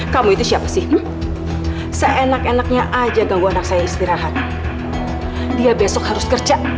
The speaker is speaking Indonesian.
kamu itu siapa sih seenak enaknya aja ganggu anak saya istirahat dia besok harus kerja